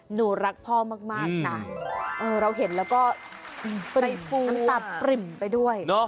หนูรักพ่อมากนะเราเห็นแล้วก็น้ำตาปริ่มไปด้วย